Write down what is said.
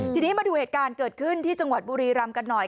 ทีนี้มาดูเหตุการณ์เกิดขึ้นที่จังหวัดบุรีรำกันหน่อย